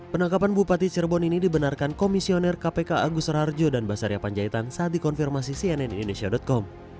penangkapan bupati cirebon ini dibenarkan komisioner kpk agus raharjo dan basaria panjaitan saat dikonfirmasi cnn indonesia com